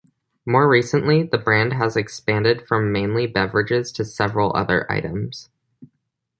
More recently, the brand has expanded from mainly beverages to several other items.